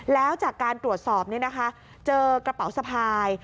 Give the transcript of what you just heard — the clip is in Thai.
แล้วจากการตรวจสอบเจอกระเป๋าสะพาย